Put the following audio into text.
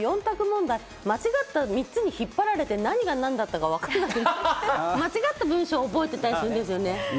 私とか４択問題、間違った３つに引っ張られて何が何だかわからなくなって、間違った文章を覚えてたりする。